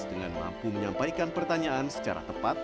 dengan mampu menyampaikan pertanyaan secara tepat